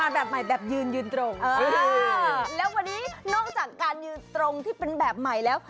แบบใหม่แบบยืนยืนตรงแล้ววันนี้นอกจากการยืนตรงที่เป็นแบบใหม่แล้ว